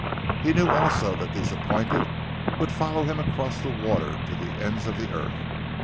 He knew also that these appointed would follow him across the water to the ends of the earth.